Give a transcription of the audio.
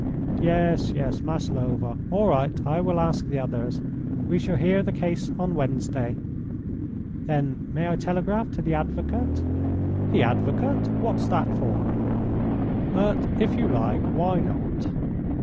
"Yes, yes. Maslova. All right, I will ask the others. We shall hear the case on Wednesday." "Then may I telegraph to the advocate?" "The advocate! What's that for? But if you like, why not?"